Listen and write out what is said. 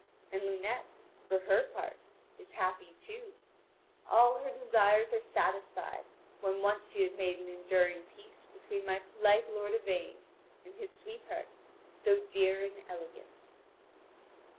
And Lunete, for her part, is happy too: all her desires are satisfied when once she had made an enduring peace between my polite lord Yvain and his sweetheart so dear and so elegant.